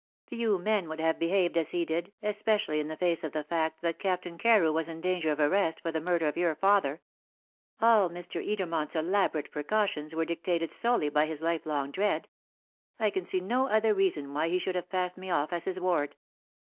Few men would have behaved as he did, especially in the face of the fact that Captain Carew was in danger of arrest for the murder of your father. All Mr. Edermont's elaborate precautions were dictated solely by his lifelong dread. I can see no other reason why he should have passed me off as his ward.